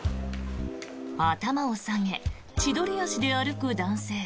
頭を下げ、千鳥足で歩く男性。